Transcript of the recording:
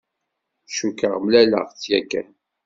Cukkeɣ mlaleɣ-tt yakan.